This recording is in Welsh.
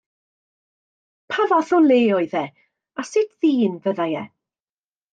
Pa fath o le oedd e, a sut ddyn fyddai e?